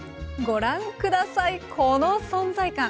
ご覧下さいこの存在感！